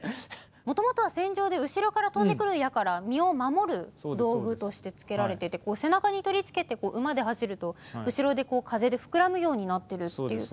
もともとは、戦場で後ろから飛んでくる矢から身を守る道具としてつけられてて背中に取り付けて馬で走ると後ろで、風で膨らむようになってるっていう。